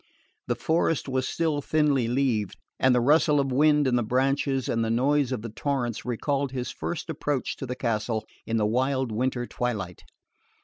The forest was still thinly leaved, and the rustle of wind in the branches and the noise of the torrents recalled his first approach to the castle, in the wild winter twilight.